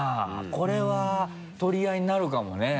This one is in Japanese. これは取り合いになるかもね。